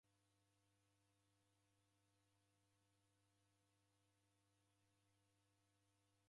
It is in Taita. Oko na ngolo mbaa eneka ichochose uko nacho.